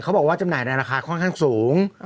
เขาบอกว่าจำหน่ายในราคาค่อนข้างสูง